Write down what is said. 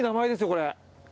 これ。